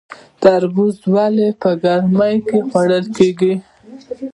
تربوز ولې په ګرمۍ کې خوړل کیږي؟